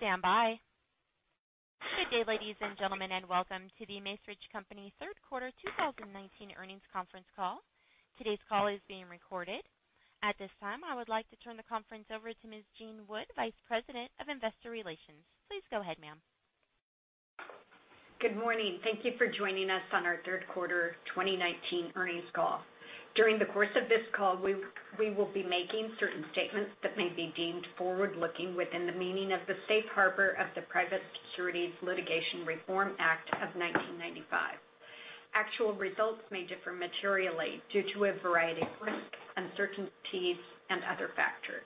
Please stand by. Good day, ladies and gentlemen, welcome to The Macerich Company third quarter 2019 earnings conference call. Today's call is being recorded. At this time, I would like to turn the conference over to Ms. Jean Wood, Vice President of Investor Relations. Please go ahead, ma'am. Good morning. Thank you for joining us on our third quarter 2019 earnings call. During the course of this call, we will be making certain statements that may be deemed forward-looking within the meaning of the safe harbor of the Private Securities Litigation Reform Act of 1995. Actual results may differ materially due to a variety of risks, uncertainties and other factors.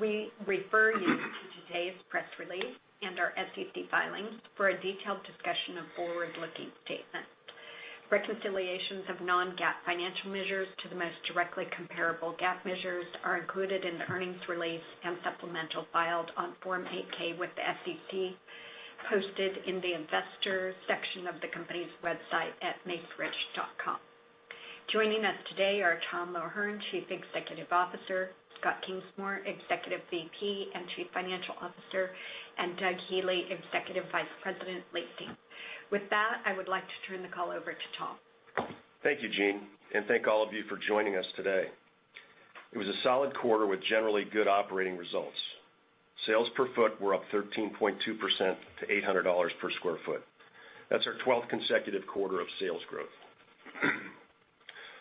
We refer you to today's press release and our SEC filings for a detailed discussion of forward-looking statements. Reconciliations of non-GAAP financial measures to the most directly comparable GAAP measures are included in the earnings release and supplemental filed on Form 8-K with the SEC, posted in the investor section of the company's website at macerich.com. Joining us today are Thomas O'Hern, Chief Executive Officer, Scott Kingsmore, Executive VP and Chief Financial Officer, and Doug Healey, Executive Vice President, Leasing. With that, I would like to turn the call over to Tom. Thank you, Jean. Thank all of you for joining us today. It was a solid quarter with generally good operating results. Sales per foot were up 13.2% to $800 per square foot. That's our 12th consecutive quarter of sales growth.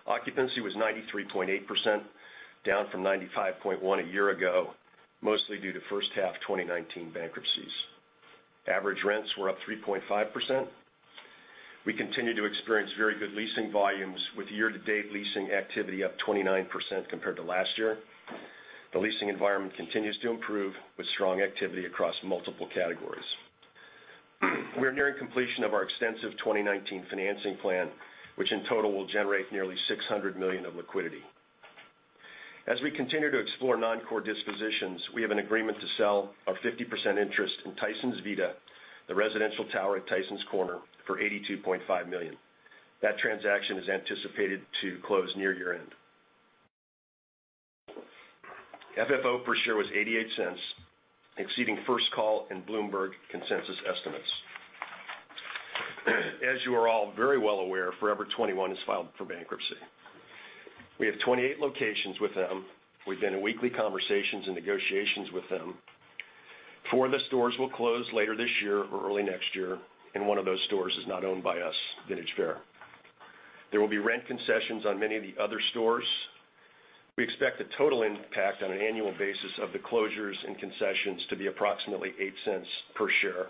Occupancy was 93.8%, down from 95.1% a year ago, mostly due to first half 2019 bankruptcies. Average rents were up 3.5%. We continue to experience very good leasing volumes, with year-to-date leasing activity up 29% compared to last year. The leasing environment continues to improve, with strong activity across multiple categories. We are nearing completion of our extensive 2019 financing plan, which in total will generate nearly $600 million of liquidity. As we continue to explore non-core dispositions, we have an agreement to sell our 50% interest in Tysons Vita, the residential tower at Tysons Corner, for $82.5 million. That transaction is anticipated to close near year-end. FFO per share was $0.88, exceeding first call and Bloomberg consensus estimates. As you are all very well aware, Forever 21 has filed for bankruptcy. We have 28 locations with them. We've been in weekly conversations and negotiations with them. Four of the stores will close later this year or early next year, and one of those stores is not owned by us, Vintage Faire. There will be rent concessions on many of the other stores. We expect the total impact on an annual basis of the closures and concessions to be approximately $0.08 per share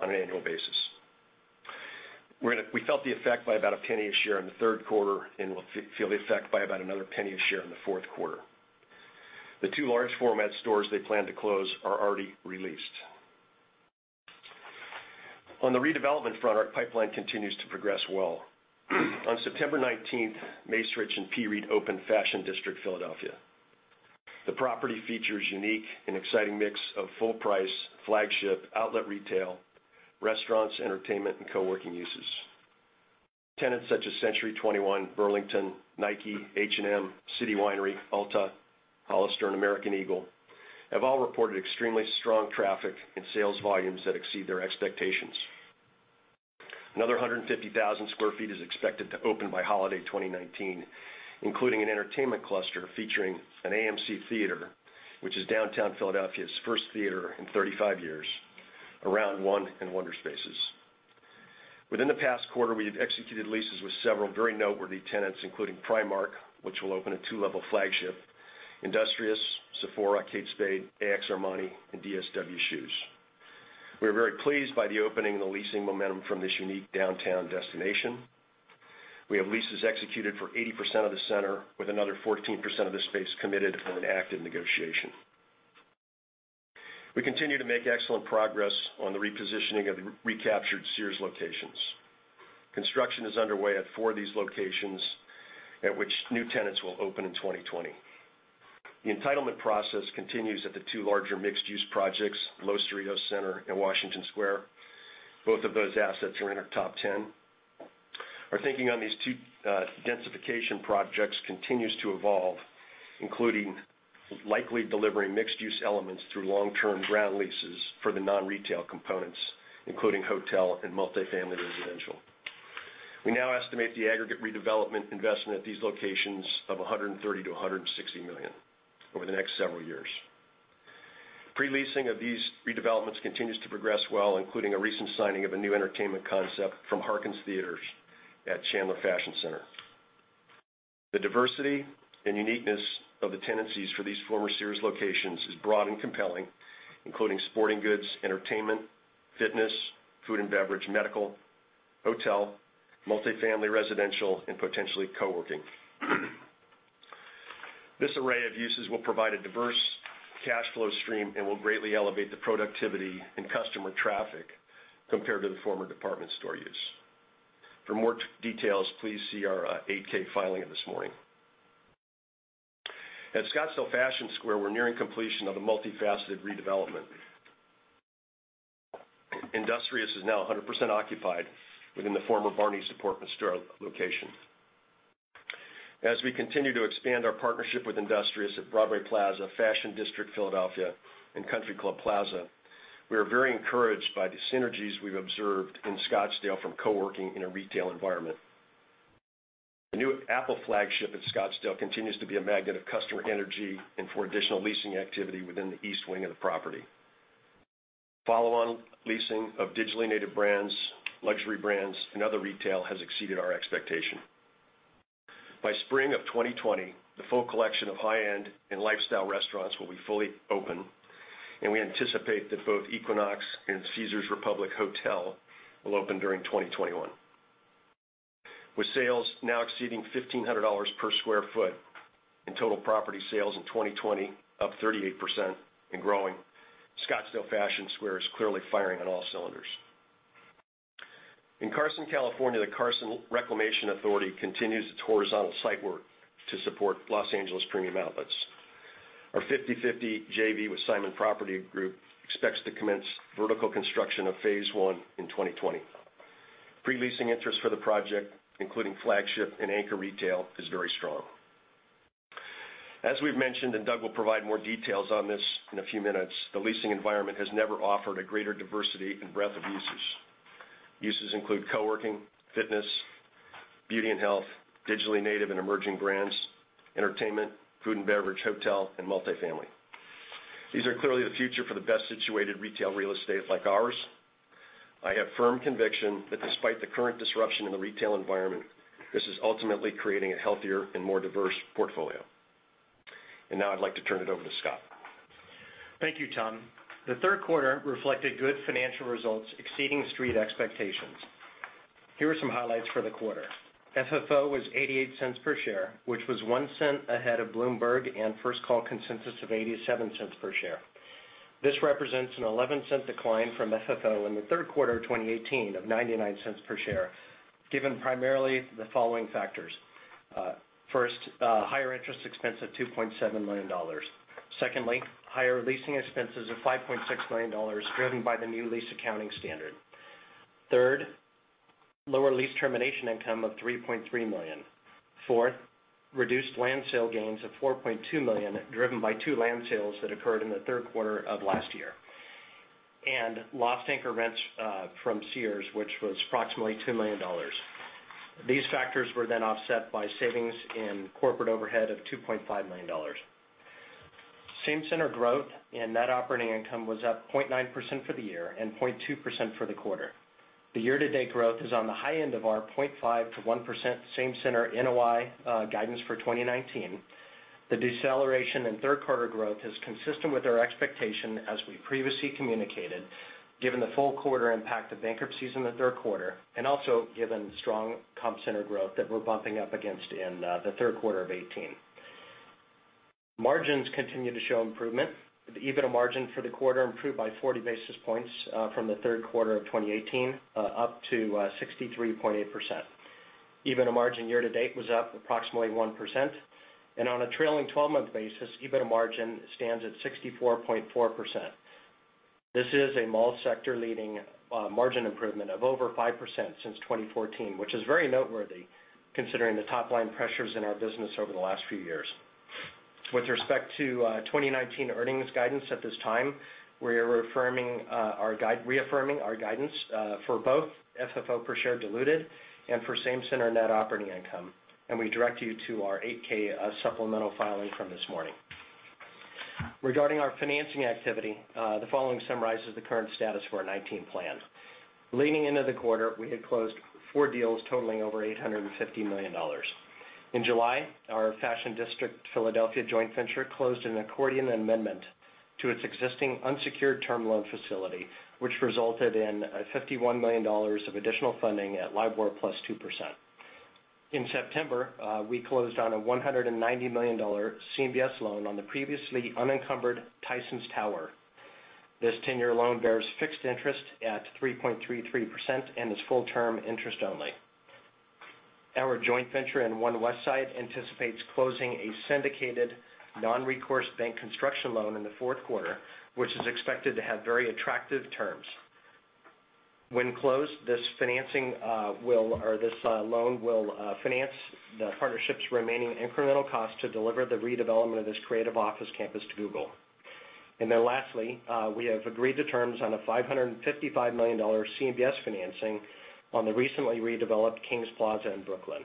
on an annual basis. We felt the effect by about $0.01 a share in the third quarter, and we'll feel the effect by about another $0.01 a share in the fourth quarter. The two large format stores they plan to close are already re-leased. On the redevelopment front, our pipeline continues to progress well. On September 19th, Macerich and PREIT opened Fashion District Philadelphia. The property features unique and exciting mix of full price, flagship, outlet retail, restaurants, entertainment, and co-working uses. Tenants such as Century 21, Burlington, Nike, H&M, City Winery, Ulta, Hollister, and American Eagle have all reported extremely strong traffic and sales volumes that exceed their expectations. Another 150,000 square feet is expected to open by holiday 2019, including an entertainment cluster featuring an AMC Theater, which is downtown Philadelphia's first theater in 35 years, Round One and Wonderspaces. Within the past quarter, we have executed leases with several very noteworthy tenants, including Primark, which will open a two-level flagship, Industrious, Sephora, Kate Spade, A|X Armani and DSW Shoes. We are very pleased by the opening and the leasing momentum from this unique downtown destination. We have leases executed for 80% of the center, with another 14% of the space committed and in active negotiation. We continue to make excellent progress on the repositioning of recaptured Sears locations. Construction is underway at four of these locations, at which new tenants will open in 2020. The entitlement process continues at the two larger mixed-use projects, Los Cerritos Center and Washington Square. Both of those assets are in our top 10. Our thinking on these two densification projects continues to evolve, including likely delivering mixed use elements through long-term ground leases for the non-retail components, including hotel and multi-family residential. We now estimate the aggregate redevelopment investment at these locations of $130 million-$160 million over the next several years. Pre-leasing of these redevelopments continues to progress well, including a recent signing of a new entertainment concept from Harkins Theatres at Chandler Fashion Center. The diversity and uniqueness of the tenancies for these former Sears locations is broad and compelling, including sporting goods, entertainment, fitness, food and beverage, medical, hotel, multi-family residential, and potentially co-working. This array of uses will provide a diverse cash flow stream and will greatly elevate the productivity and customer traffic compared to the former department store use. For more details, please see our 8-K filing this morning. At Scottsdale Fashion Square, we're nearing completion of the multifaceted redevelopment. Industrious is now 100% occupied within the former Barneys support store location. As we continue to expand our partnership with Industrious at Broadway Plaza, Fashion District Philadelphia, and Country Club Plaza, we are very encouraged by the synergies we've observed in Scottsdale from co-working in a retail environment. The new Apple flagship at Scottsdale continues to be a magnet of customer energy and for additional leasing activity within the east wing of the property. Follow-on leasing of digitally native brands, luxury brands, and other retail has exceeded our expectation. By spring of 2020, the full collection of high-end and lifestyle restaurants will be fully open, and we anticipate that both Equinox and Caesars Republic Hotel will open during 2021. With sales now exceeding $1,500 per sq ft and total property sales in 2020 up 38% and growing, Scottsdale Fashion Square is clearly firing on all cylinders. In Carson, California, the Carson Reclamation Authority continues its horizontal site work to support Los Angeles Premium Outlets. Our 50-50 JV with Simon Property Group expects to commence vertical construction of phase 1 in 2020. Pre-leasing interest for the project, including flagship and anchor retail, is very strong. As we've mentioned, and Doug will provide more details on this in a few minutes, the leasing environment has never offered a greater diversity and breadth of uses. Uses include coworking, fitness, beauty and health, digitally native and emerging brands, entertainment, food and beverage, hotel, and multi-family. These are clearly the future for the best situated retail real estate like ours. I have firm conviction that despite the current disruption in the retail environment, this is ultimately creating a healthier and more diverse portfolio. Now I'd like to turn it over to Scott. Thank you, Tom. The third quarter reflected good financial results exceeding street expectations. Here are some highlights for the quarter. FFO was $0.88 per share, which was $0.01 ahead of Bloomberg and first call consensus of $0.87 per share. This represents an $0.11 decline from FFO in the third quarter of 2018 of $0.99 per share, given primarily the following factors. First, higher interest expense of $2.7 million. Secondly, higher leasing expenses of $5.6 million driven by the new lease accounting standard. Third, lower lease termination income of $3.3 million. Fourth, reduced land sale gains of $4.2 million driven by two land sales that occurred in the third quarter of last year. Lost anchor rents from Sears, which was approximately $2 million. These factors were offset by savings in corporate overhead of $2.5 million. Same-center growth and net operating income was up 0.9% for the year and 0.2% for the quarter. The year-to-date growth is on the high end of our 0.5%-1% same-center NOI guidance for 2019. The deceleration in third-quarter growth is consistent with our expectation as we previously communicated, given the full quarter impact of bankruptcies in the third quarter and also given strong comp center growth that we're bumping up against in the third quarter of 2018. Margins continue to show improvement. The EBITDA margin for the quarter improved by 40 basis points from the third quarter of 2018 up to 63.8%. EBITDA margin year-to-date was up approximately 1%. On a trailing 12-month basis, EBITDA margin stands at 64.4%. This is a mall sector-leading margin improvement of over 5% since 2014, which is very noteworthy considering the top-line pressures in our business over the last few years. With respect to 2019 earnings guidance at this time, we are reaffirming our guidance for both FFO per share diluted and for same-center net operating income, and we direct you to our 8-K supplemental filing from this morning. Regarding our financing activity, the following summarizes the current status of our 2019 plan. Leaning into the quarter, we had closed four deals totaling over $850 million. In July, our Fashion District Philadelphia joint venture closed an accordion amendment to its existing unsecured term loan facility, which resulted in $51 million of additional funding at LIBOR plus 2%. In September, we closed on a $190 million CMBS loan on the previously unencumbered Tysons Tower. This 10-year loan bears fixed interest at 3.33% and is full term interest only. Our joint venture in One Westside anticipates closing a syndicated non-recourse bank construction loan in the fourth quarter, which is expected to have very attractive terms. When closed, this loan will finance the partnership's remaining incremental cost to deliver the redevelopment of this creative office campus to Google. Lastly, we have agreed to terms on a $555 million CMBS financing on the recently redeveloped Kings Plaza in Brooklyn.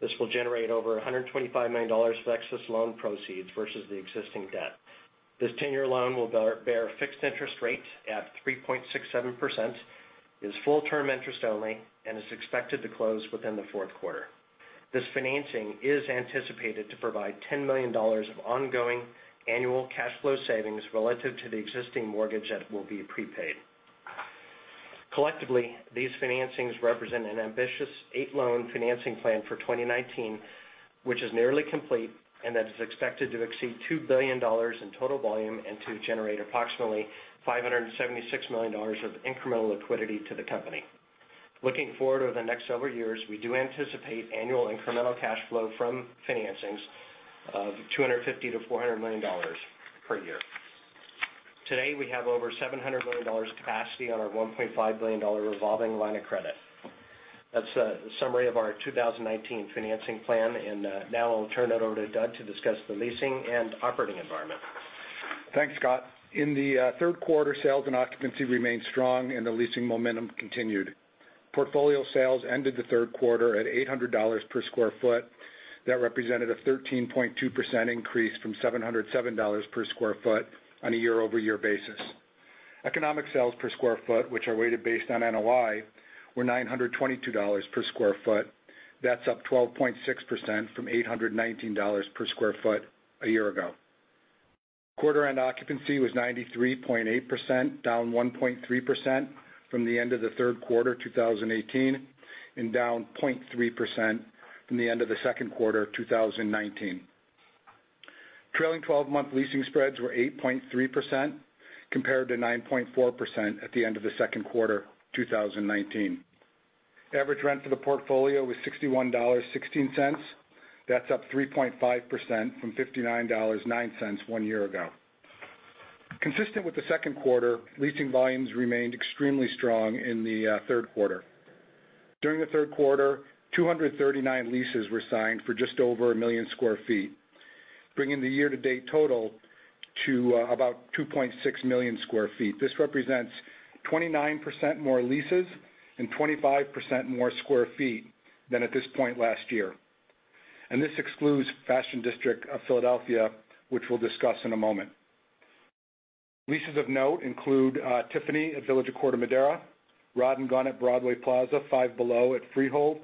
This will generate over $125 million of excess loan proceeds versus the existing debt. This 10-year loan will bear a fixed interest rate at 3.67%, is full term interest only, and is expected to close within the fourth quarter. This financing is anticipated to provide $10 million of ongoing annual cash flow savings relative to the existing mortgage that will be prepaid. Collectively, these financings represent an ambitious 8-loan financing plan for 2019, which is nearly complete and that is expected to exceed $2 billion in total volume and to generate approximately $576 million of incremental liquidity to the company. Looking forward over the next several years, we do anticipate annual incremental cash flow from financings of $250 million-$400 million per year. Today, we have over $700 million capacity on our $1.5 billion revolving line of credit. That's a summary of our 2019 financing plan, and now I'll turn it over to Doug to discuss the leasing and operating environment. Thanks, Scott. In the third quarter, sales and occupancy remained strong, the leasing momentum continued. Portfolio sales ended the third quarter at $800 per square foot. That represented a 13.2% increase from $707 per square foot on a year-over-year basis. Economic sales per square foot, which are weighted based on NOI, were $922 per square foot. That's up 12.6% from $819 per square foot a year ago. Quarter end occupancy was 93.8%, down 1.3% from the end of the third quarter 2018, down 0.3% from the end of the second quarter 2019. Trailing 12 month leasing spreads were 8.3%, compared to 9.4% at the end of the second quarter 2019. Average rent for the portfolio was $61.16. That's up 3.5% from $59.09 one year ago. Consistent with the second quarter, leasing volumes remained extremely strong in the third quarter. During the third quarter, 239 leases were signed for just over a million square feet, bringing the year to date total to about 2.6 million square feet. This represents 29% more leases and 25% more square feet than at this point last year. This excludes Fashion District Philadelphia, which we'll discuss in a moment. Leases of note include Tiffany at Village of Corte Madera, Rodan + Fields at Broadway Plaza, Five Below at Freehold,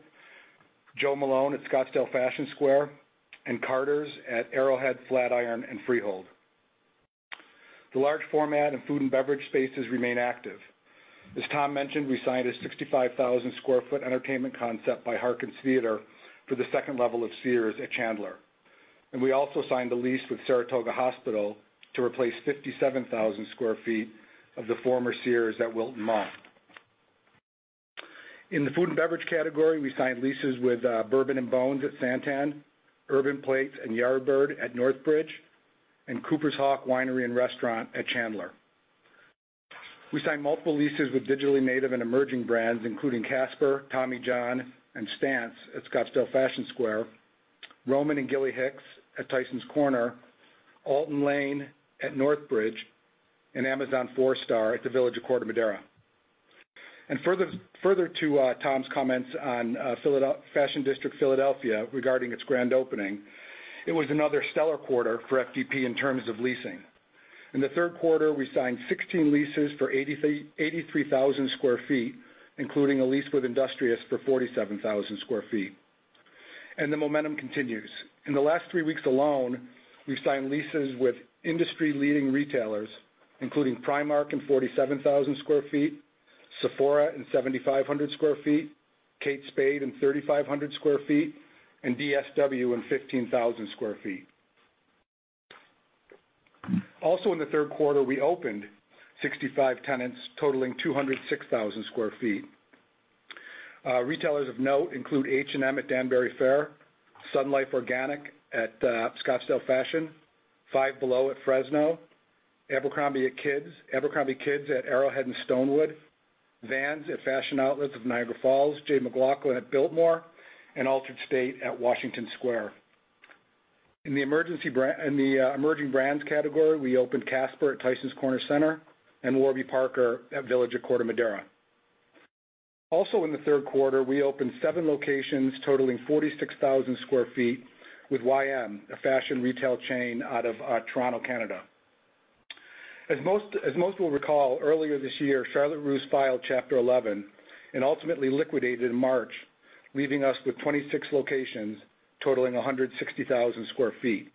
Jo Malone at Scottsdale Fashion Square, and Carter's at Arrowhead, FlatIron, and Freehold. The large format and food and beverage spaces remain active. As Tom mentioned, we signed a 65,000 square foot entertainment concept by Harkins Theatres for the 2 level of Sears at Chandler. We also signed a lease with Saratoga Hospital to replace 57,000 square feet of the former Sears at Wilton Mall. In the food and beverage category, we signed leases with Bourbon & Bones at SanTan, Urban Plates and Yardbird at Northbridge, and Cooper's Hawk Winery and Restaurant at Chandler. We signed multiple leases with digitally native and emerging brands, including Casper, Tommy John, and Stance at Scottsdale Fashion Square, Roman and Gilly Hicks at Tysons Corner, Alton Lane at Northbridge, and Amazon 4-star at the Village of Corte Madera. Further to Tom's comments on Fashion District Philadelphia regarding its grand opening, it was another stellar quarter for FDP in terms of leasing. In the third quarter, we signed 16 leases for 83,000 square feet, including a lease with Industrious for 47,000 square feet. The momentum continues. In the last three weeks alone, we've signed leases with industry leading retailers, including Primark in 47,000 sq ft, Sephora in 7,500 sq ft, Kate Spade in 3,500 sq ft, and DSW in 15,000 sq ft. Also in the third quarter, we opened 65 tenants totaling 206,000 sq ft. Retailers of note include H&M at Danbury Fair, SunLife Organics at Scottsdale Fashion, Five Below at Fresno, abercrombie kids at Arrowhead and Stonewood, Vans at Fashion Outlets of Niagara Falls, J. McLaughlin at Biltmore, and Altar'd State at Washington Square. In the emerging brands category, we opened Casper at Tysons Corner Center and Warby Parker at Village of Corte Madera. Also in the third quarter, we opened seven locations totaling 46,000 sq ft with YM, a fashion retail chain out of Toronto, Canada. As most will recall, earlier this year, Charlotte Russe filed Chapter 11 and ultimately liquidated in March, leaving us with 26 locations totaling 160,000 square feet.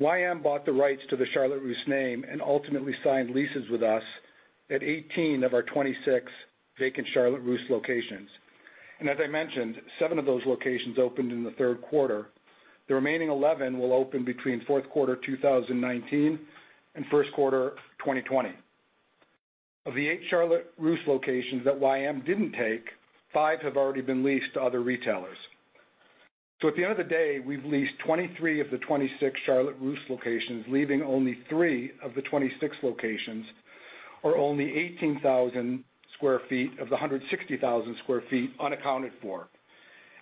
YM bought the rights to the Charlotte Russe name and ultimately signed leases with us at 18 of our 26 vacant Charlotte Russe locations. As I mentioned, seven of those locations opened in the third quarter. The remaining 11 will open between fourth quarter 2019 and first quarter 2020. Of the eight Charlotte Russe locations that YM didn't take, five have already been leased to other retailers. At the end of the day, we've leased 23 of the 26 Charlotte Russe locations, leaving only three of the 26 locations, or only 18,000 square feet of the 160,000 square feet unaccounted for.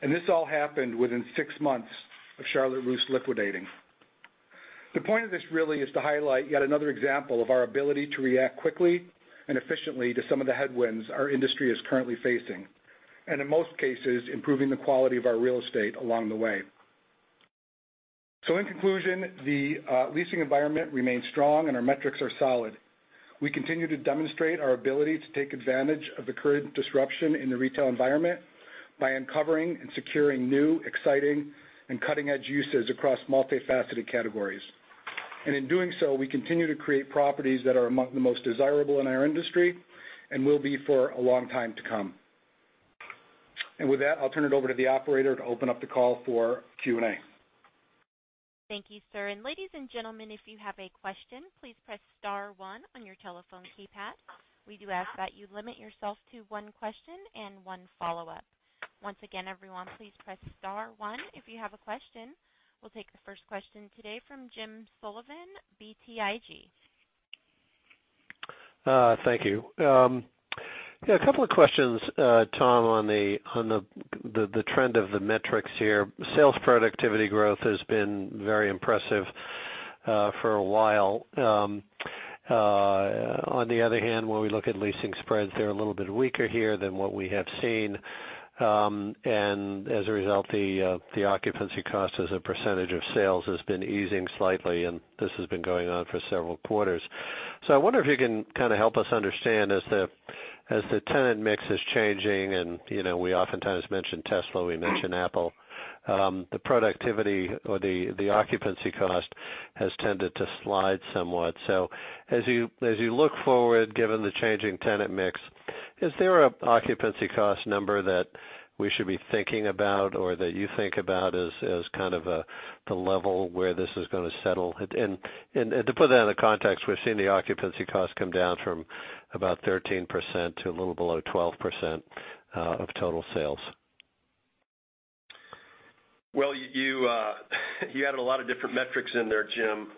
This all happened within six months of Charlotte Russe liquidating. The point of this really is to highlight yet another example of our ability to react quickly and efficiently to some of the headwinds our industry is currently facing, and in most cases, improving the quality of our real estate along the way. In conclusion, the leasing environment remains strong and our metrics are solid. We continue to demonstrate our ability to take advantage of the current disruption in the retail environment by uncovering and securing new, exciting, and cutting-edge uses across multifaceted categories. In doing so, we continue to create properties that are the most desirable in our industry and will be for a long time to come. With that, I'll turn it over to the operator to open up the call for Q&A. Thank you, sir. Ladies and gentlemen, if you have a question, please press star one on your telephone keypad. We do ask that you limit yourself to one question and one follow-up. Once again, everyone, please press star one if you have a question. We'll take the first question today from James Sullivan, BTIG. Thank you. A couple of questions, Tom, on the trend of the metrics here. Sales productivity growth has been very impressive for a while. When we look at leasing spreads, they're a little bit weaker here than what we have seen. The occupancy cost as a percentage of sales has been easing slightly, and this has been going on for several quarters. I wonder if you can kind of help us understand as the tenant mix is changing and, we oftentimes mention Tesla, we mention Apple. The productivity or the occupancy cost has tended to slide somewhat. As you look forward, given the changing tenant mix, is there an occupancy cost number that we should be thinking about or that you think about as kind of the level where this is going to settle? To put that into context, we've seen the occupancy cost come down from about 13% to a little below 12% of total sales. Well, you had a lot of different metrics in there, Jim.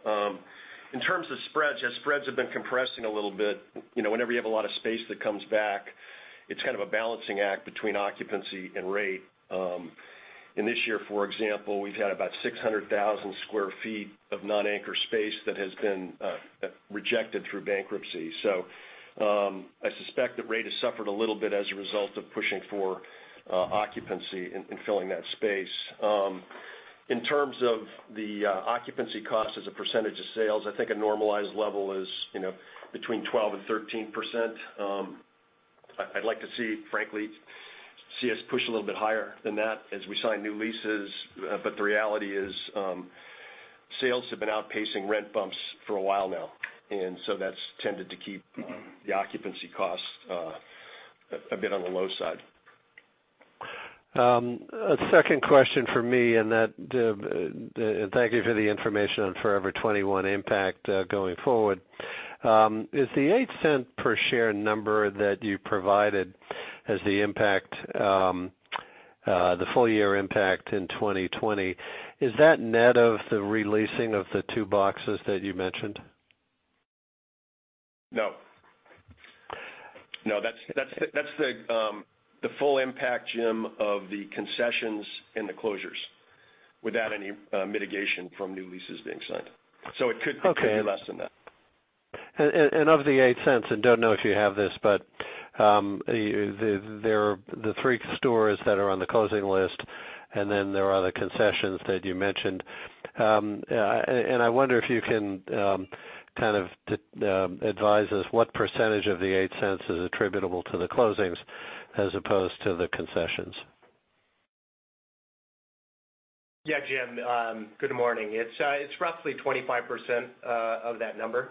In terms of spreads, as spreads have been compressing a little bit, whenever you have a lot of space that comes back, it's kind of a balancing act between occupancy and rate. In this year, for example, we've had about 600,000 sq ft of non-anchor space that has been rejected through bankruptcy. I suspect that rate has suffered a little bit as a result of pushing for occupancy and filling that space. In terms of the occupancy cost as a percentage of sales, I think a normalized level is between 12% and 13%. I'd like to see, frankly, see us push a little bit higher than that as we sign new leases. The reality is, sales have been outpacing rent bumps for a while now. That's tended to keep the occupancy costs a bit on the low side. A second question from me, and thank you for the information on Forever 21 impact going forward. Is the $0.08 per share number that you provided as the full year impact in 2020, is that net of the re-leasing of the two boxes that you mentioned? No. That's the full impact, Jim, of the concessions and the closures without any mitigation from new leases being signed. Okay. It could be less than that. Of the $0.08, and don't know if you have this, but the three stores that are on the closing list, and then there are the concessions that you mentioned. I wonder if you can kind of advise us what percentage of the $0.08 is attributable to the closings as opposed to the concessions. Yeah, Jim, good morning. It's roughly 25% of that number.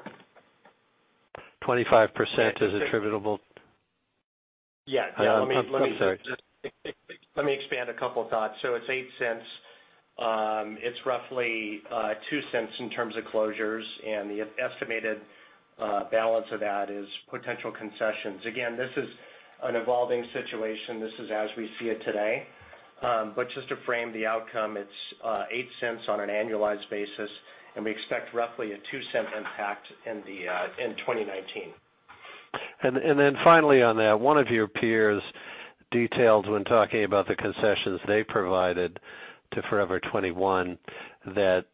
25% is attributable? Yeah. I'm sorry. Let me expand a couple thoughts. It's $0.08. It's roughly $0.02 in terms of closures and the estimated balance of that is potential concessions. Again, this is an evolving situation. This is as we see it today. Just to frame the outcome, it's $0.08 on an annualized basis, and we expect roughly a $0.02 impact in 2019. Finally on that, one of your peers detailed when talking about the concessions they provided to Forever 21 that,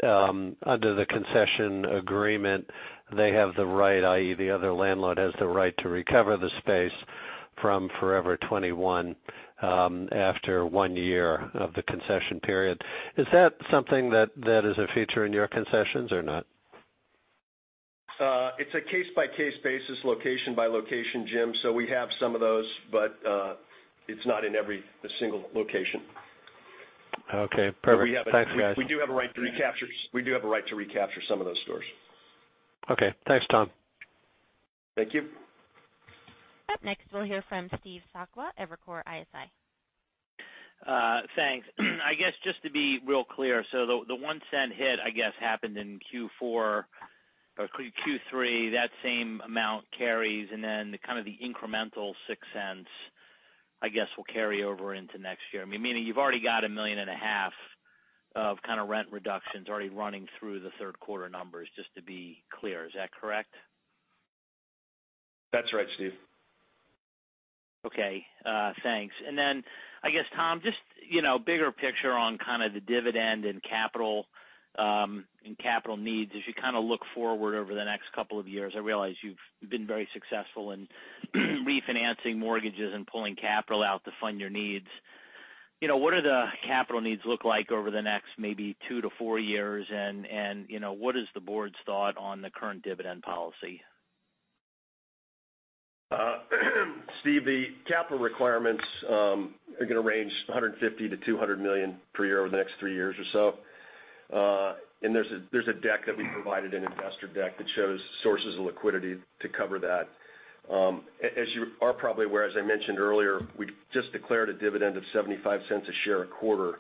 under the concession agreement, they have the right, i.e. the other landlord has the right to recover the space from Forever 21 after one year of the concession period. Is that something that is a feature in your concessions or not? It's a case-by-case basis, location by location, Jim. We have some of those, but it's not in every single location. Okay, perfect. Thanks, guys. We do have a right to recapture some of those stores. Okay. Thanks, Tom. Thank you. Up next, we'll hear from Steve Sakwa, Evercore ISI. Thanks. I guess just to be real clear, the $0.01 hit, I guess happened in Q4 or Q3, that same amount carries, and then kind of the incremental $0.06 I guess will carry over into next year. Meaning you've already got $1.5 million of kind of rent reductions already running through the third quarter numbers, just to be clear. Is that correct? That's right, Steve. Okay, thanks. Then I guess, Tom, just bigger picture on kind of the dividend and capital needs as you kind of look forward over the next couple of years. I realize you've been very successful in refinancing mortgages and pulling capital out to fund your needs. What do the capital needs look like over the next maybe two to four years, and what is the board's thought on the current dividend policy? Steve, the capital requirements are going to range $150 million-$200 million per year over the next three years or so. There's a deck that we provided, an investor deck that shows sources of liquidity to cover that. As you are probably aware, as I mentioned earlier, we just declared a dividend of $0.75 a share a quarter.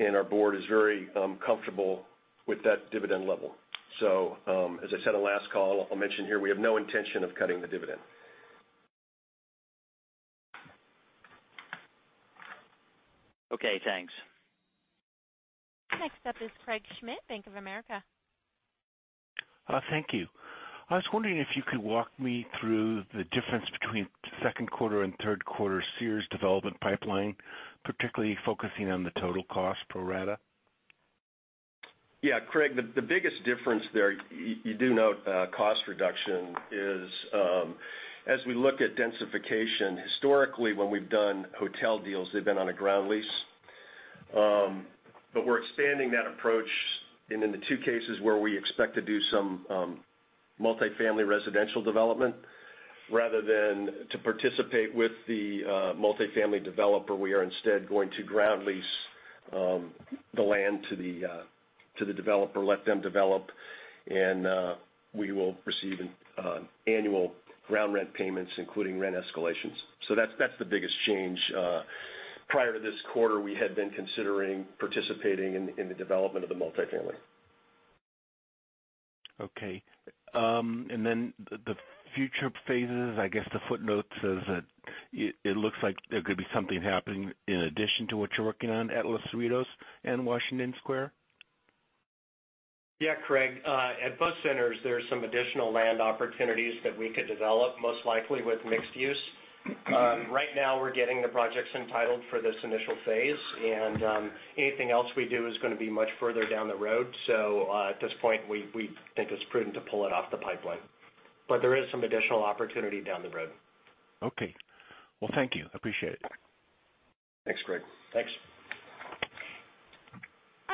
Our board is very comfortable with that dividend level. As I said on last call, I'll mention here, we have no intention of cutting the dividend. Okay, thanks. Next up is Craig Schmidt, Bank of America. Thank you. I was wondering if you could walk me through the difference between second quarter and third quarter Sears development pipeline, particularly focusing on the total cost pro rata. Yeah, Craig, the biggest difference there, you do note cost reduction is as we look at densification, historically when we've done hotel deals, they've been on a ground lease. We're expanding that approach in the two cases where we expect to do some multi-family residential development, rather than to participate with the multi-family developer, we are instead going to ground lease the land to the developer, let them develop, and we will receive annual ground rent payments, including rent escalations. That's the biggest change. Prior to this quarter, we had been considering participating in the development of the multi-family. Okay. The future phases, I guess the footnote says that it looks like there could be something happening in addition to what you're working on at Los Cerritos and Washington Square? Yeah, Craig. At our centers, there are some additional land opportunities that we could develop, most likely with mixed use. Now, we're getting the projects entitled for this initial phase, anything else we do is going to be much further down the road. At this point, we think it's prudent to pull it off the pipeline. There is some additional opportunity down the road. Okay. Well, thank you. Appreciate it. Thanks, Craig. Thanks.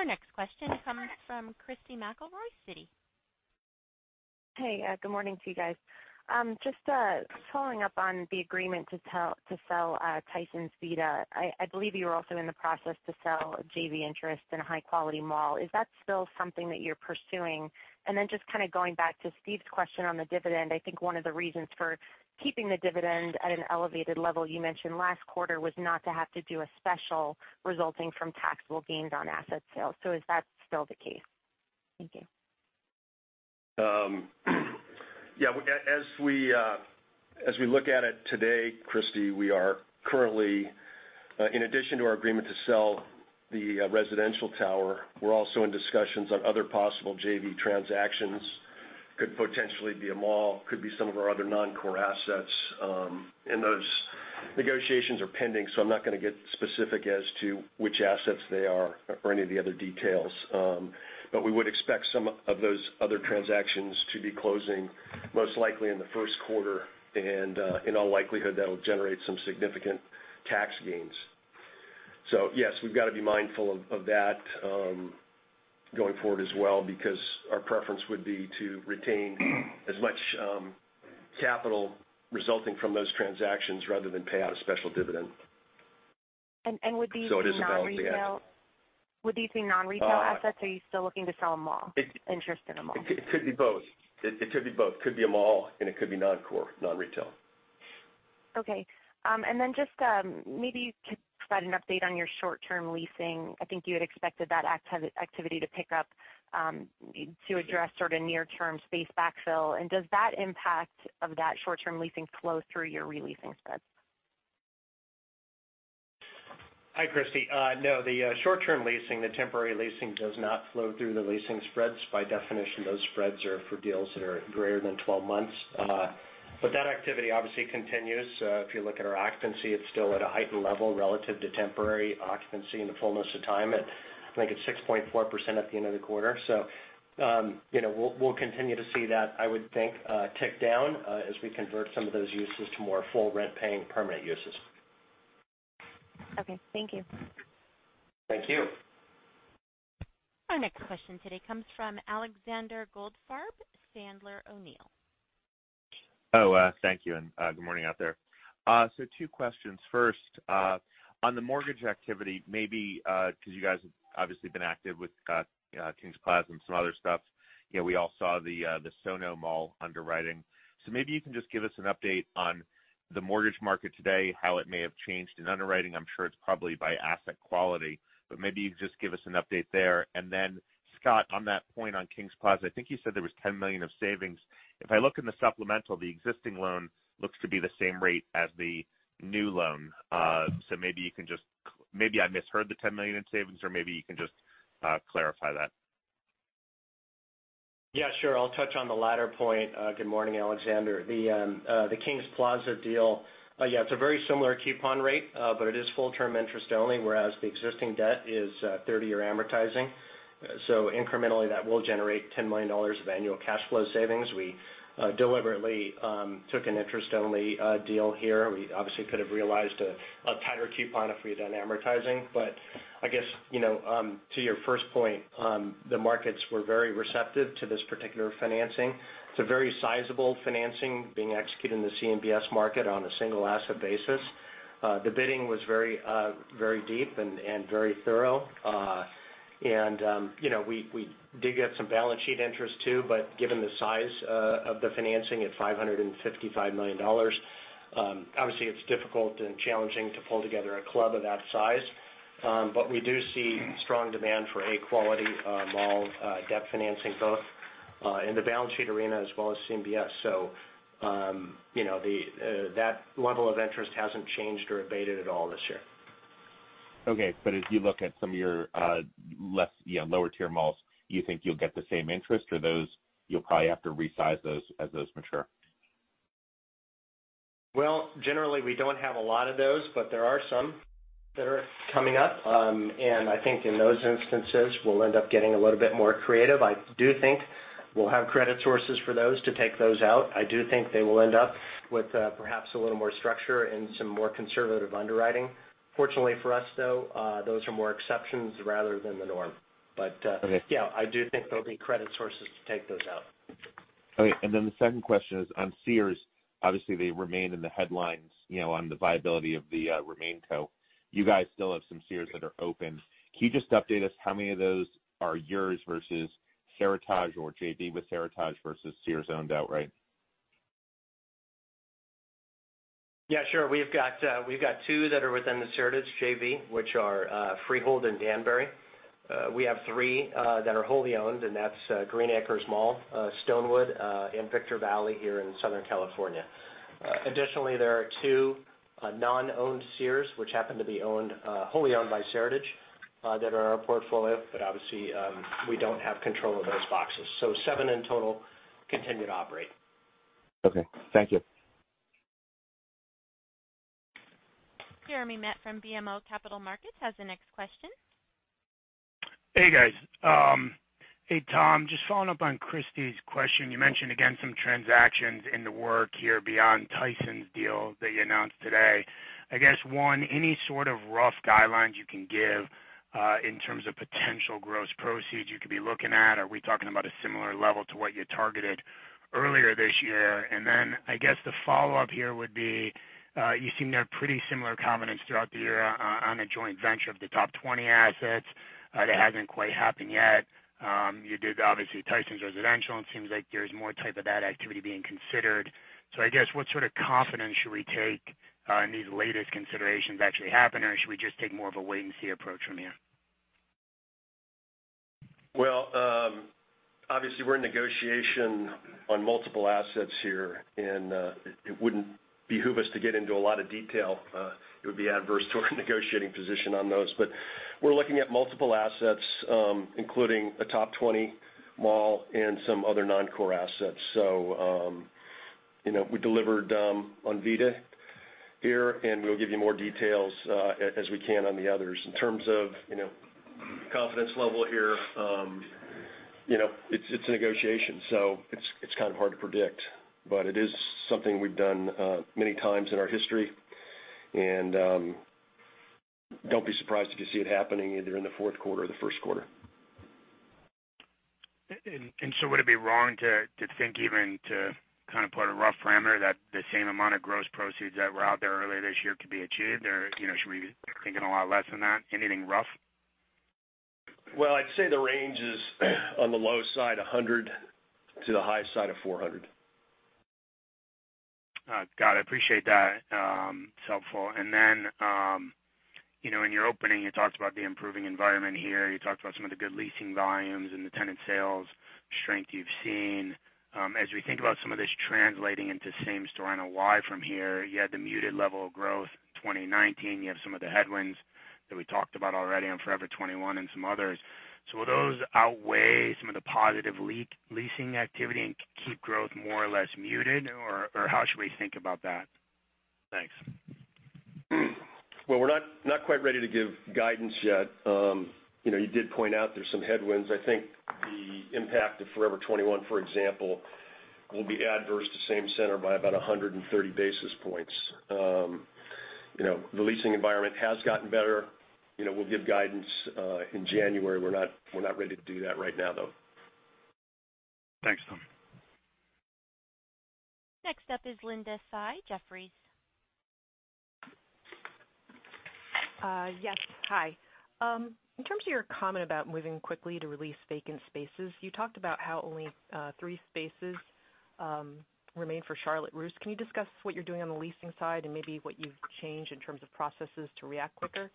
Our next question comes from Christy McElroy, Citi. Hey, good morning to you guys. Just following up on the agreement to sell Tysons Vida. I believe you were also in the process to sell JV interest in a high-quality mall. Is that still something that you're pursuing? Just kind of going back to Steve's question on the dividend, I think one of the reasons for keeping the dividend at an elevated level, you mentioned last quarter, was not to have to do a special resulting from taxable gains on asset sales. Is that still the case? Thank you. Yeah. As we look at it today, Christy, we are currently, in addition to our agreement to sell the residential tower, we're also in discussions on other possible JV transactions. Could potentially be a mall, could be some of our other non-core assets. Those negotiations are pending, so I'm not going to get specific as to which assets they are or any of the other details. But we would expect some of those other transactions to be closing most likely in the first quarter, and in all likelihood, that'll generate some significant tax gains. Yes, we've got to be mindful of that going forward as well, because our preference would be to retain as much capital resulting from those transactions rather than pay out a special dividend. Would these be non-retail. It is a balancing act. Would these be non-retail assets? Are you still looking to sell a mall, interest in a mall? It could be both. Could be a mall, and it could be non-core, non-retail. Okay. Then just maybe you could provide an update on your short-term leasing. I think you had expected that activity to pick up to address sort of near-term space backfill. Does that impact of that short-term leasing flow through your re-leasing spreads? Hi, Christy. No, the short-term leasing, the temporary leasing does not flow through the leasing spreads. By definition, those spreads are for deals that are greater than 12 months. That activity obviously continues. If you look at our occupancy, it's still at a heightened level relative to temporary occupancy in the fullness of time. I think it's 6.4% at the end of the quarter. We'll continue to see that, I would think, tick down as we convert some of those uses to more full rent-paying permanent uses. Okay. Thank you. Thank you. Our next question today comes from Alexander Goldfarb, Sandler O'Neill. Oh, thank you, and good morning out there. Two questions. First, on the mortgage activity, maybe because you guys have obviously been active with Kings Plaza and some other stuff, we all saw the SoNo Mall underwriting. Maybe you can just give us an update on the mortgage market today, how it may have changed in underwriting. I'm sure it's probably by asset quality. Maybe you can just give us an update there. Scott, on that point on Kings Plaza, I think you said there was $10 million of savings. If I look in the supplemental, the existing loan looks to be the same rate as the new loan. Maybe I misheard the $10 million in savings, or maybe you can just clarify that. Yeah, sure. I'll touch on the latter point. Good morning, Alexander. The Kings Plaza deal, yeah, it's a very similar coupon rate, but it is full-term interest only, whereas the existing debt is 30-year amortizing. Incrementally, that will generate $10 million of annual cash flow savings. We deliberately took an interest-only deal here. We obviously could have realized a tighter coupon if we'd done amortizing. I guess, to your first point, the markets were very receptive to this particular financing. It's a very sizable financing being executed in the CMBS market on a single asset basis. The bidding was very deep and very thorough. We did get some balance sheet interest too, but given the size of the financing at $555 million, obviously it's difficult and challenging to pull together a club of that size. We do see strong demand for A quality mall debt financing, both in the balance sheet arena as well as CMBS. That level of interest hasn't changed or abated at all this year. Okay. As you look at some of your lower tier malls, do you think you'll get the same interest, or you'll probably have to resize those as those mature? Well, generally, we don't have a lot of those, but there are some that are coming up. I think in those instances, we'll end up getting a little bit more creative. I do think we'll have credit sources for those to take those out. I do think they will end up with perhaps a little more structure and some more conservative underwriting. Fortunately for us, though, those are more exceptions rather than the norm. Okay. Yeah, I do think there'll be credit sources to take those out. Okay. The second question is on Sears. Obviously, they remain in the headlines on the viability of the RemainCo. You guys still have some Sears that are open. Can you just update us how many of those are yours versus Seritage or JV with Seritage versus Sears owned outright? Yeah, sure. We've got two that are within the Seritage JV, which are Freehold and Danbury. We have three that are wholly owned, and that's Green Acres Mall, Stonewood, and Victor Valley here in Southern California. Additionally, there are two non-owned Sears, which happen to be wholly owned by Seritage, that are in our portfolio. Obviously, we don't have control of those boxes. Seven in total continue to operate. Okay. Thank you. Jeremy Metz from BMO Capital Markets has the next question. Hey, guys. Hey, Tom, just following up on Christy's question. You mentioned, again, some transactions in the works here beyond Tysons deal that you announced today. I guess, one, any sort of rough guidelines you can give in terms of potential gross proceeds you could be looking at? Are we talking about a similar level to what you targeted earlier this year? I guess the follow-up here would be, you seem to have pretty similar confidence throughout the year on a joint venture of the top 20 assets. That hasn't quite happened yet. You did, obviously, Tysons Residential, and it seems like there's more type of that activity being considered. I guess what sort of confidence should we take in these latest considerations actually happening, or should we just take more of a wait-and-see approach from here? Well, obviously we're in negotiation on multiple assets here. It wouldn't behoove us to get into a lot of detail. It would be adverse to our negotiating position on those. We're looking at multiple assets, including a top 20 mall and some other non-core assets. We delivered on Vida here. We'll give you more details as we can on the others. In terms of confidence level here, it's a negotiation, it's kind of hard to predict. It is something we've done many times in our history. Don't be surprised if you see it happening either in the fourth quarter or the first quarter. Would it be wrong to think even to kind of put a rough parameter that the same amount of gross proceeds that were out there earlier this year could be achieved? Or should we be thinking a lot less than that? Anything rough? Well, I'd say the range is on the low side, $100 to the high side of $400. Got it. Appreciate that. It's helpful. In your opening, you talked about the improving environment here. You talked about some of the good leasing volumes and the tenant sales strength you've seen. As we think about some of this translating into same-center NOI from here, you had the muted level of growth in 2019. You have some of the headwinds that we talked about already on Forever 21 and some others. Will those outweigh some of the positive leasing activity and keep growth more or less muted, or how should we think about that? Thanks. Well, we're not quite ready to give guidance yet. You did point out there's some headwinds. I think the impact of Forever 21, for example, will be adverse to same-center by about 130 basis points. The leasing environment has gotten better. We'll give guidance in January. We're not ready to do that right now, though. Thanks, Tom. Next up is Linda Tsai, Jefferies. Yes. Hi. In terms of your comment about moving quickly to re-lease vacant spaces, you talked about how only three spaces remain for Charlotte Russe. Can you discuss what you're doing on the leasing side and maybe what you've changed in terms of processes to react quicker?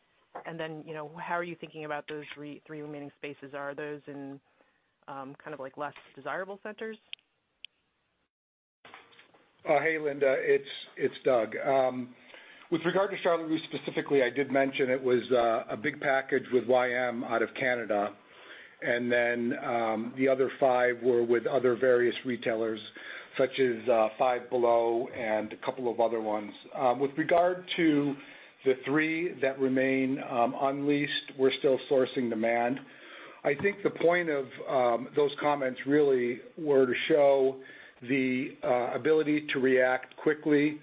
How are you thinking about those three remaining spaces? Are those in kind of less desirable centers? Hey, Linda, it's Doug. With regard to Charlotte Russe specifically, I did mention it was a big package with YM out of Canada, and then the other five were with other various retailers, such as Five Below and a couple of other ones. With regard to the three that remain unleased, we're still sourcing demand. I think the point of those comments really were to show the ability to react quickly,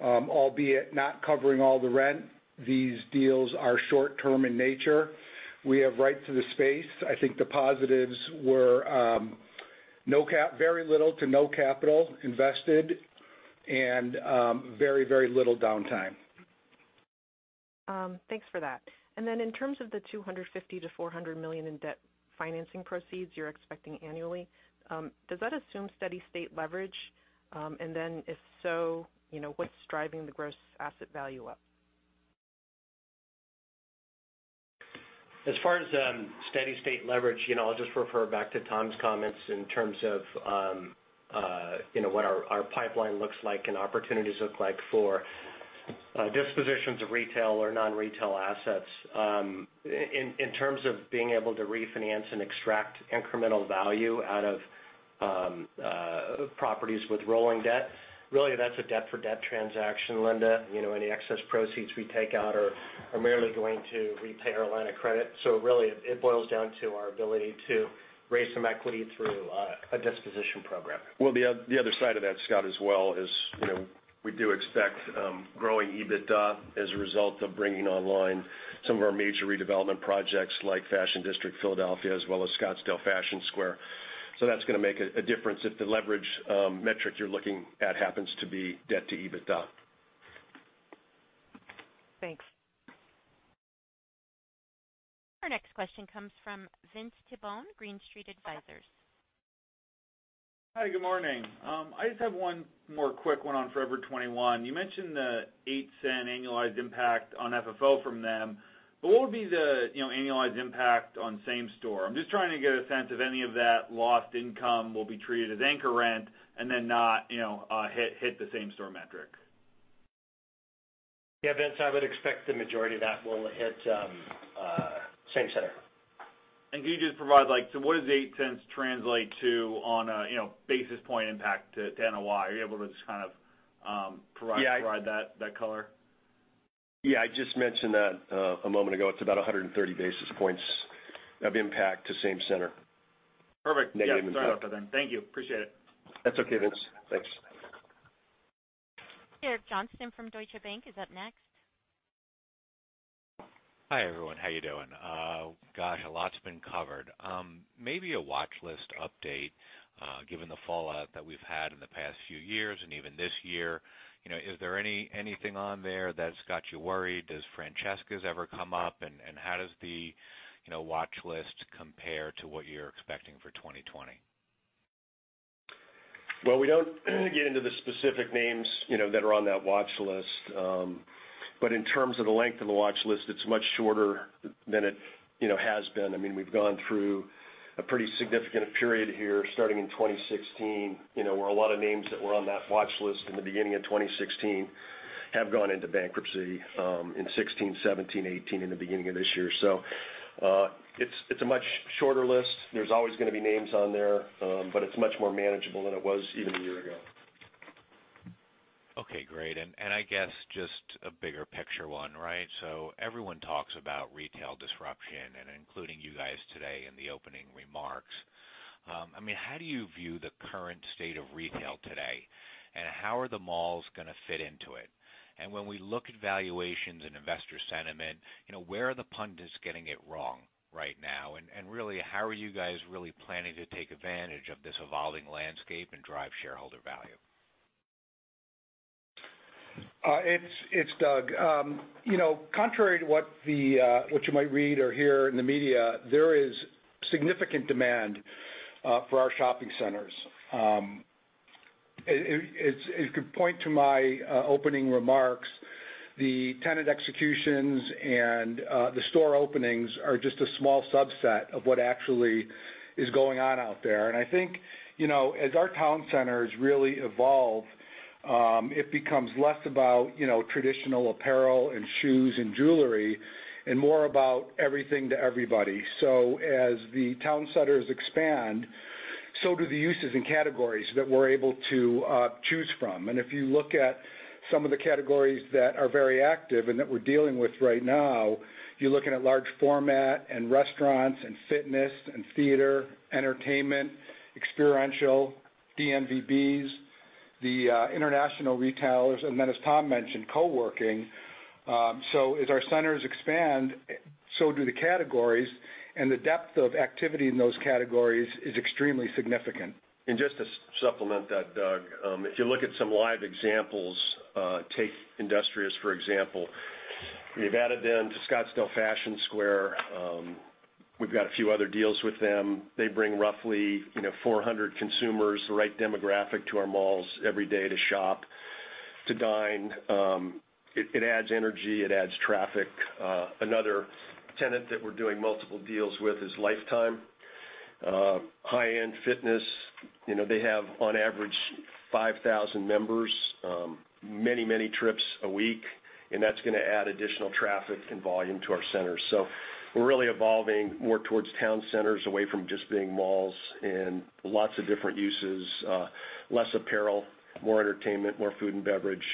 albeit not covering all the rent. These deals are short-term in nature. We have right to the space. I think the positives were very little to no capital invested and very little downtime. Thanks for that. In terms of the $250 million-$400 million in debt financing proceeds you're expecting annually, does that assume steady state leverage? If so, what's driving the gross asset value up? As far as steady state leverage, I'll just refer back to Tom's comments in terms of what our pipeline looks like and opportunities look like for dispositions of retail or non-retail assets. In terms of being able to refinance and extract incremental value out of properties with rolling debt, really that's a debt for debt transaction, Linda. Any excess proceeds we take out are merely going to repay our line of credit. Really it boils down to our ability to raise some equity through a disposition program. The other side of that, Scott, as well is, we do expect growing EBITDA as a result of bringing online some of our major redevelopment projects like Fashion District Philadelphia, as well as Scottsdale Fashion Square. That's going to make a difference if the leverage metric you're looking at happens to be debt to EBITDA. Thanks. Our next question comes from Vince Tibone, Green Street Advisors. Hi, good morning. I just have one more quick one on Forever 21. You mentioned the $0.08 annualized impact on FFO from them, what would be the annualized impact on same store? I'm just trying to get a sense of any of that lost income will be treated as anchor rent and then not hit the same store metric. Yeah, Vince, I would expect the majority of that will hit same-center. Can you just provide, what does $0.08 translate to on a basis point impact to NOI? Are you able to just kind of provide that color? Yeah. I just mentioned that a moment ago. It's about 130 basis points of impact to same-center. Perfect. Negative impact. Yeah. Sorry about that then. Thank you. Appreciate it. That's okay, Vince. Thanks. Derek Johnston from Deutsche Bank is up next. Hi, everyone. How you doing? Gosh, a lot's been covered. Maybe a watch list update, given the fallout that we've had in the past few years and even this year. Is there anything on there that's got you worried? Does Francesca's ever come up? How does the watch list compare to what you're expecting for 2020? We don't get into the specific names that are on that watch list. In terms of the length of the watch list, it's much shorter than it has been. We've gone through a pretty significant period here starting in 2016, where a lot of names that were on that watch list in the beginning of 2016 have gone into bankruptcy, in 2016, 2017, 2018, and the beginning of this year. It's a much shorter list. There's always going to be names on there, it's much more manageable than it was even a year ago. Okay, great. I guess just a bigger picture one, right? Everyone talks about retail disruption, including you guys today in the opening remarks. How do you view the current state of retail today, and how are the malls going to fit into it? When we look at valuations and investor sentiment, where are the pundits getting it wrong right now? Really, how are you guys really planning to take advantage of this evolving landscape and drive shareholder value? It's Doug. Contrary to what you might read or hear in the media, there is significant demand for our shopping centers. If you could point to my opening remarks, the tenant executions and the store openings are just a small subset of what actually is going on out there. I think, as our town centers really evolve, it becomes less about traditional apparel and shoes and jewelry, and more about everything to everybody. As the town centers expand, so do the uses and categories that we're able to choose from. If you look at some of the categories that are very active and that we're dealing with right now, you're looking at large format and restaurants and fitness and theater, entertainment, experiential, DNVBs, the international retailers, and then as Tom mentioned, co-working. As our centers expand, so do the categories, and the depth of activity in those categories is extremely significant. Just to supplement that, Doug, if you look at some live examples, take Industrious for example. We've added them to Scottsdale Fashion Square. We've got a few other deals with them. They bring roughly 400 consumers, the right demographic to our malls every day to shop, to dine. It adds energy, it adds traffic. Another tenant that we're doing multiple deals with is Life Time, high-end fitness. They have on average 5,000 members, many trips a week, and that's going to add additional traffic and volume to our centers. We're really evolving more towards town centers away from just being malls and lots of different uses, less apparel, more entertainment, more food and beverage.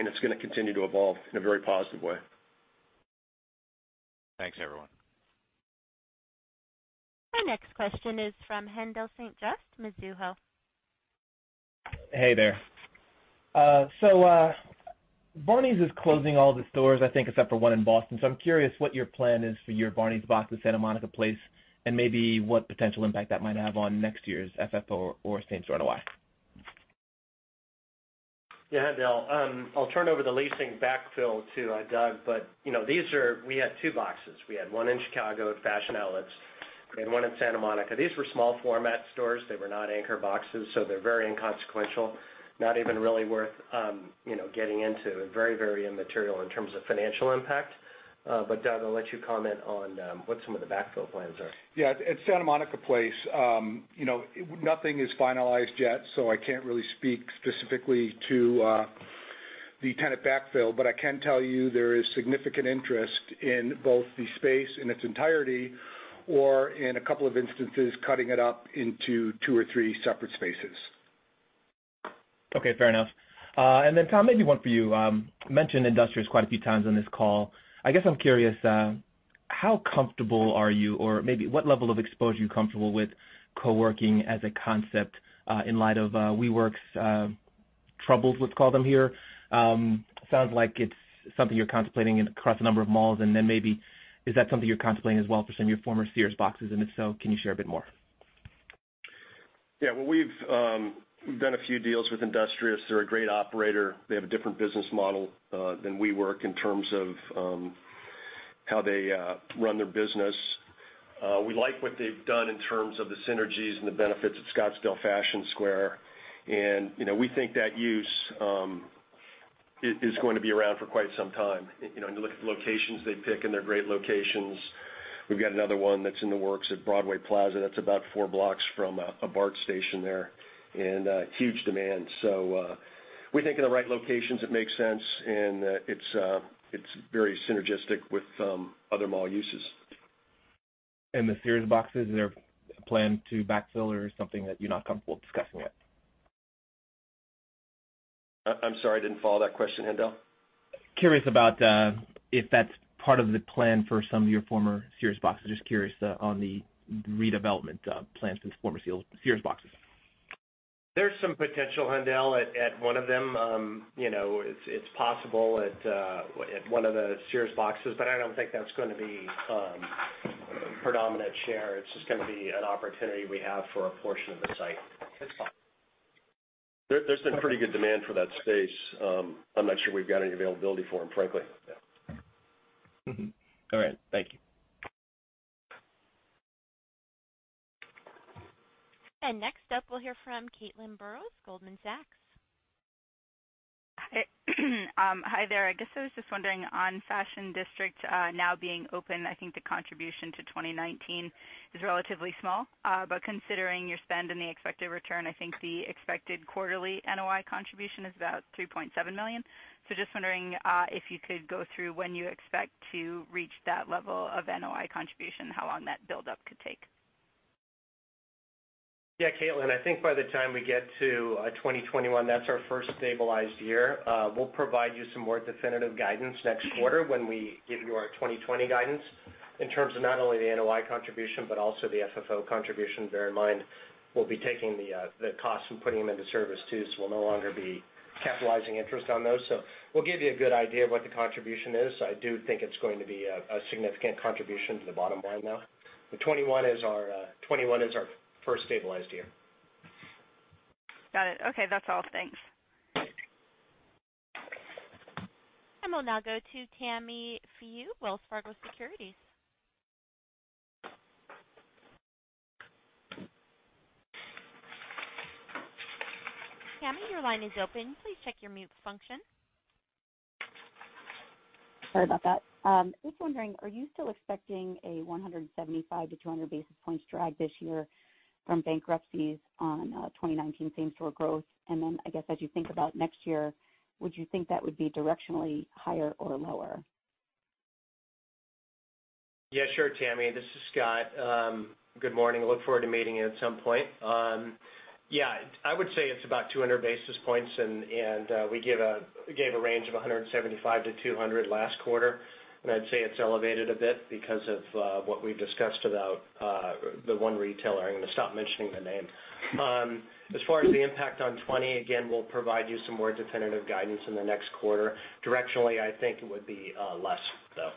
It's going to continue to evolve in a very positive way. Thanks, everyone. Our next question is from Haendel St. Juste, Mizuho. Hey there. Barneys is closing all of the stores, I think, except for one in Boston. I'm curious what your plan is for your Barneys box in Santa Monica Place, and maybe what potential impact that might have on next year's FFO or same store NOI. Yeah, Haendel. I'll turn over the leasing backfill to Doug, but we had two boxes. We had one in Chicago at Fashion Outlets and one in Santa Monica. These were small format stores. They were not anchor boxes, so they're very inconsequential, not even really worth getting into. Very, very immaterial in terms of financial impact. Doug, I'll let you comment on what some of the backfill plans are. Yeah. At Santa Monica Place, nothing is finalized yet, so I can't really speak specifically to the tenant backfill, but I can tell you there is significant interest in both the space in its entirety or, in a couple of instances, cutting it up into two or three separate spaces. Okay, fair enough. Tom, maybe one for you. You mentioned Industrious quite a few times on this call. I guess I'm curious, how comfortable are you, or maybe what level of exposure are you comfortable with co-working as a concept, in light of WeWork's troubles, let's call them here. Sounds like it's something you're contemplating across a number of malls, maybe is that something you're contemplating as well for some of your former Sears boxes? If so, can you share a bit more? Yeah. Well, we've done a few deals with Industrious. They're a great operator. They have a different business model than WeWork in terms of how they run their business. We like what they've done in terms of the synergies and the benefits at Scottsdale Fashion Square, and we think that use is going to be around for quite some time. You look at the locations they pick, and they're great locations. We've got another one that's in the works at Broadway Plaza, that's about four blocks from a BART station there, and huge demand. We think in the right locations, it makes sense, and it's very synergistic with other mall uses. The Sears boxes, is there a plan to backfill or something that you're not comfortable discussing yet? I'm sorry, I didn't follow that question, Haendel. Curious about if that's part of the plan for some of your former Sears boxes. Just curious on the redevelopment plans for the former Sears boxes. There's some potential, Haendel, at one of them. It's possible at one of the Sears boxes, but I don't think that's going to be a predominant share. It's just going to be an opportunity we have for a portion of the site. There's been pretty good demand for that space. I'm not sure we've got any availability for them, frankly. Mm-hmm. All right. Thank you. Next up, we'll hear from Caitlin Burrows, Goldman Sachs. Hi there. I guess I was just wondering, on Fashion District now being open, I think the contribution to 2019 is relatively small. Considering your spend and the expected return, I think the expected quarterly NOI contribution is about $3.7 million. Just wondering if you could go through when you expect to reach that level of NOI contribution, how long that buildup could take. Yeah, Caitlin, I think by the time we get to 2021, that's our first stabilized year. We'll provide you some more definitive guidance next quarter when we give you our 2020 guidance in terms of not only the NOI contribution, but also the FFO contribution. Bear in mind, we'll be taking the cost and putting them into service too, so we'll no longer be capitalizing interest on those. We'll give you a good idea of what the contribution is. I do think it's going to be a significant contribution to the bottom line, though. 2021 is our first stabilized year. Got it. Okay, that's all. Thanks. We'll now go to Tammy Fiu, Wells Fargo Securities. Tammy, your line is open. Please check your mute function. Sorry about that. Just wondering, are you still expecting a 175 to 200 basis points drag this year from bankruptcies on 2019 same-store growth? I guess as you think about next year, would you think that would be directionally higher or lower? Yeah, sure, Tammy. This is Scott. Good morning. Look forward to meeting you at some point. Yeah, I would say it's about 200 basis points, and we gave a range of 175 to 200 last quarter. I'd say it's elevated a bit because of what we've discussed about the one retailer. I'm going to stop mentioning the name. As far as the impact on 2020, again, we'll provide you some more definitive guidance in the next quarter. Directionally, I think it would be less, though.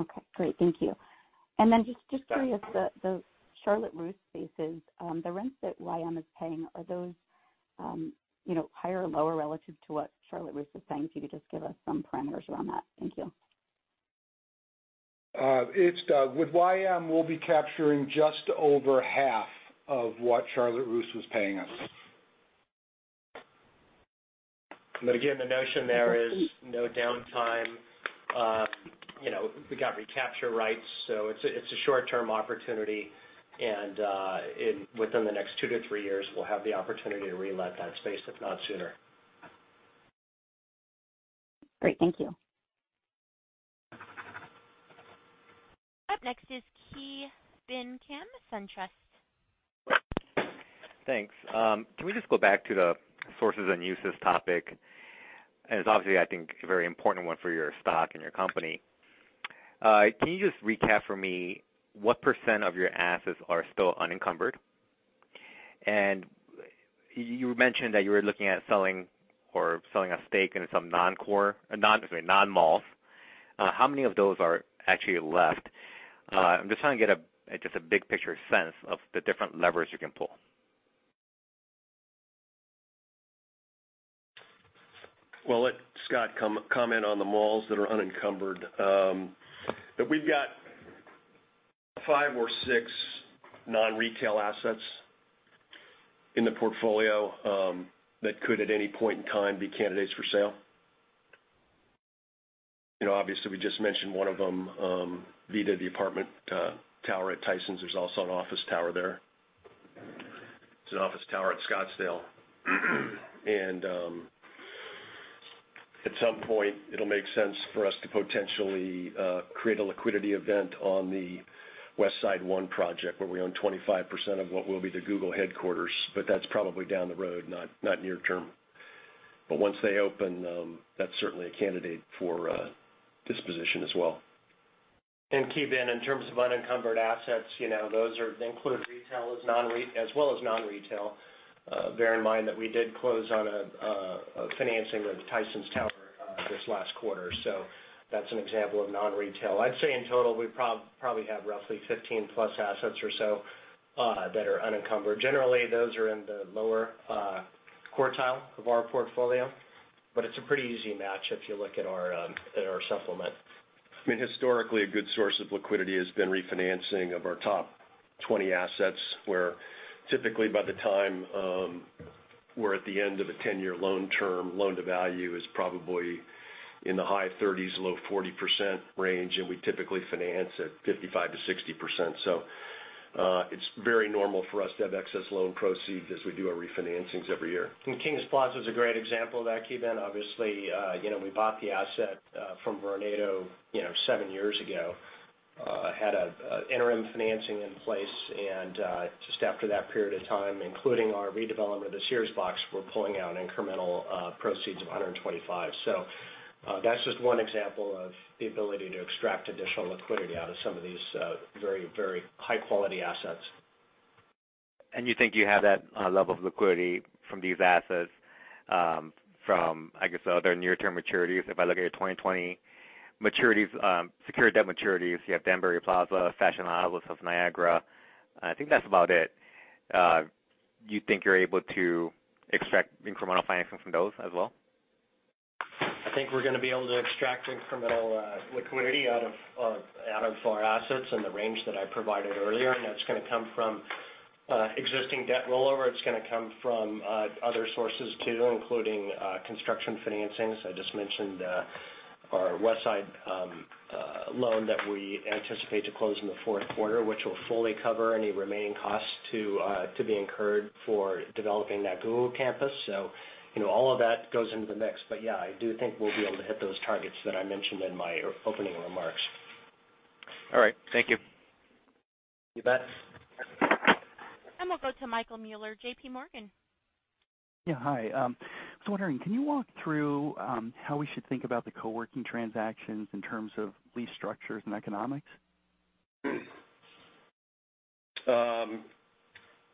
Okay, great. Thank you. Just curious, the Charlotte Russe spaces, the rents that YM is paying, are those higher or lower relative to what Charlotte Russe is paying? Could you just give us some parameters around that? Thank you. It's Doug. With YM, we'll be capturing just over half of what Charlotte Russe was paying us. The notion there is no downtime. We got recapture rights, so it's a short-term opportunity, and within the next 2-3 years, we'll have the opportunity to relet that space, if not sooner. Great. Thank you. Up next is Ki Bin Kim, SunTrust. Thanks. Can we just go back to the sources and uses topic, as obviously, I think a very important one for your stock and your company. Can you just recap for me what % of your assets are still unencumbered? You mentioned that you were looking at selling or selling a stake in some non-malls. How many of those are actually left? I'm just trying to get just a big picture sense of the different levers you can pull. Well, I'll let Scott comment on the malls that are unencumbered. We've got five or six non-retail assets in the portfolio that could, at any point in time, be candidates for sale. Obviously, we just mentioned one of them, Vida, the apartment tower at Tysons. There's also an office tower there. There's an office tower at Scottsdale. At some point, it'll make sense for us to potentially create a liquidity event on the One Westside project, where we own 25% of what will be the Google headquarters, but that's probably down the road, not near-term. Once they open, that's certainly a candidate for disposition as well. Ki Bin, in terms of unencumbered assets, those include retail as well as non-retail. Bear in mind that we did close on a financing of the Tysons tower this last quarter. That's an example of non-retail. I'd say in total, we probably have roughly 15-plus assets or so that are unencumbered. Generally, those are in the lower quartile of our portfolio. It's a pretty easy match if you look at our supplement. Historically, a good source of liquidity has been refinancing of our top 20 assets, where typically by the time we're at the end of a 10-year loan term, loan-to-value is probably in the high 30s, low 40% range, and we typically finance at 55%-60%. It's very normal for us to have excess loan proceeds as we do our refinancings every year. Kings Plaza is a great example of that, Ki Bin. Obviously, we bought the asset from Vornado seven years ago, had an interim financing in place. Just after that period of time, including our redevelopment of the Sears box, we're pulling out incremental proceeds of $125. That's just one example of the ability to extract additional liquidity out of some of these very high-quality assets. You think you have that level of liquidity from these assets from, I guess, other near-term maturities? If I look at your 2020 secured debt maturities, you have Danbury Plaza, Fashion Outlets of Niagara. I think that's about it. You think you're able to extract incremental financing from those as well? I think we're going to be able to extract incremental liquidity out of our assets in the range that I provided earlier. That's going to come from existing debt rollover. It's going to come from other sources too, including construction financings. I just mentioned our Westside loan that we anticipate to close in the fourth quarter, which will fully cover any remaining costs to be incurred for developing that Google campus. All of that goes into the mix. Yeah, I do think we'll be able to hit those targets that I mentioned in my opening remarks. All right. Thank you. You bet. We'll go to Michael Mueller, JPMorgan. Yeah. Hi. I was wondering, can you walk through how we should think about the co-working transactions in terms of lease structures and economics?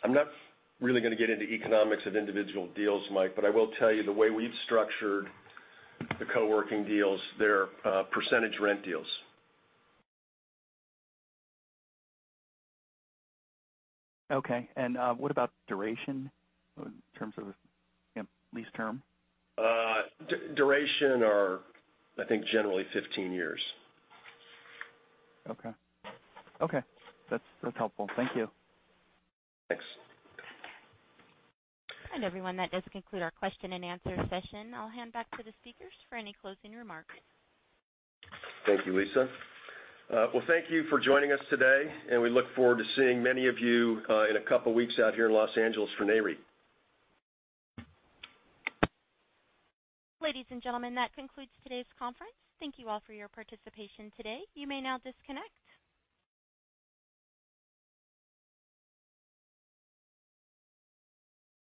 I'm not really going to get into economics of individual deals, Mike, but I will tell you the way we've structured the co-working deals, they're percentage rent deals. Okay. What about duration in terms of lease term? Duration are, I think, generally 15 years. Okay. That's helpful. Thank you. Thanks. Everyone, that does conclude our question and answer session. I'll hand back to the speakers for any closing remarks. Thank you, Lisa. Well, thank you for joining us today, and we look forward to seeing many of you in a couple of weeks out here in Los Angeles for Nareit. Ladies and gentlemen, that concludes today's conference. Thank you all for your participation today. You may now disconnect.